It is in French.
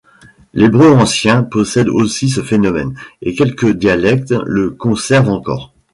L'hébreu ancien possède aussi ce phonème, et quelques dialectes le conservent encore.